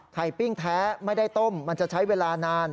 ปิ้งแท้ไม่ได้ต้มมันจะใช้เวลานาน